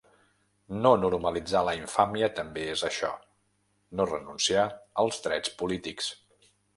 No normalitzar la infàmia també és això: no renunciar als drets polítics.